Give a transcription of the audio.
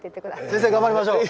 先生頑張りましょう。